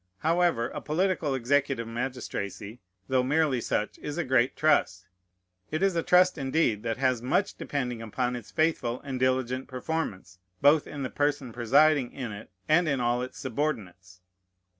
However, a political executive magistracy, though merely such, is a great trust. It is a trust, indeed, that has much depending upon its faithful and diligent performance, both in the person presiding in it and in all its subordinates.